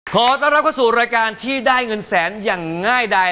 ขอต้อนรับเข้าสู่รายการที่ได้เงินแสนอย่างง่ายใด